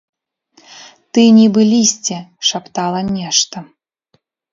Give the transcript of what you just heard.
Ты, нібы лісце, шаптала нешта.